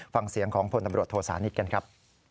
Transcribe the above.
ฟังเสียงของพลตำรวจโทษานิทกันครับ